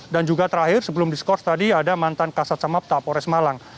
dan juga terakhir sebelum diskors tadi ada mantan kasat samabta pores malang